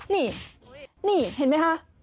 นี่เห็นไหมฮะ